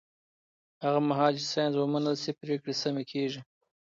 هغه مهال چې ساینس ومنل شي، پرېکړې سمې کېږي.